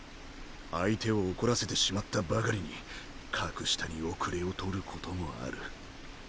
相手を怒らせてしまったばかりに格下に後れを取ることもある。